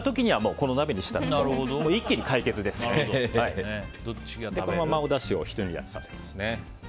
このままおだしをひと煮立ちさせます。